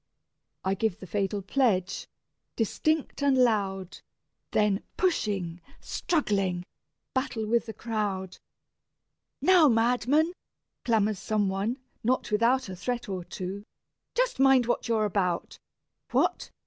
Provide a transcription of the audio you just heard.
I give the fatal pledge, distinct and loud, Then pushing, struggling, battle with the crowd. "Now, madman!" clamours some one, not without A threat or two, "just mind what you're about: What?